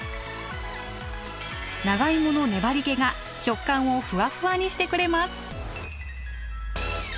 長芋の粘り気が食感をふわふわにしてくれます。